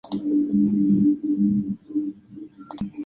Incluyendo el resto de las demás poblaciones estudiantiles circunvecinas.